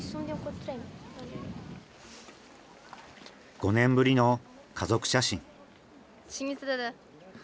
５年ぶりの家族写真。